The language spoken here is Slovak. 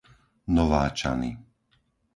Nováčany